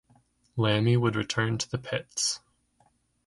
Lamy would return to the pits.